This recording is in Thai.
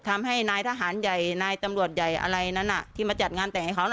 ทำให้นายทหารใหญ่นายตำรวจใหญ่อะไรนั้นที่มาจัดงานแต่งให้เขา